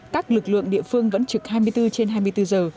các lực lượng địa phương vẫn trực hai mươi bốn trên hai mươi bốn giờ